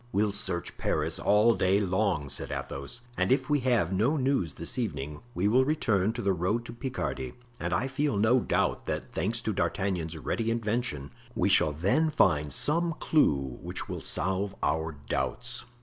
"We'll search Paris all day long," said Athos, "and if we have no news this evening we will return to the road to Picardy; and I feel no doubt that, thanks to D'Artagnan's ready invention, we shall then find some clew which will solve our doubts."